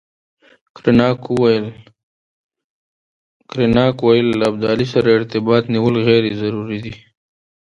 کرناک ویل له ابدالي سره ارتباط نیول غیر ضروري دي.